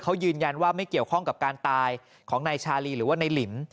เขายืนยันว่าไม่เกี่ยวข้องกับการตายของนายชาลีหรือว่าในหลิม